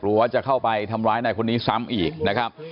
ว่าจะเข้าไปทำร้ายนายคนนี้ซ้ำอีกนะครับ